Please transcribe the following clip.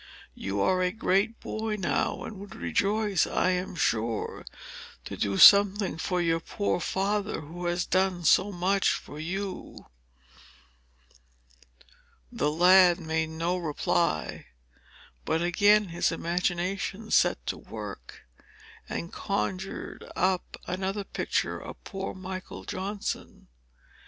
You are a great boy now, and would rejoice, I am sure, to do something for your poor father, who has done so much for you." The lad made no reply. But again his imagination set to work, and conjured up another picture of poor Michael Johnson.